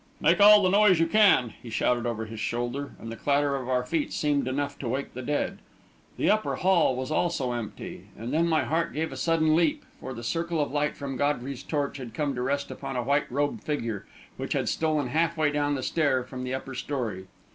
"Make all the noise you can!" he shouted over his shoulder, and the clatter of our feet seemed enough to wake the dead. The upper hall was also empty; and then my heart gave a sudden leap, for the circle of light from Godfrey's torch had come to rest upon a white robed figure, which had stolen half way down the stair from the upper story.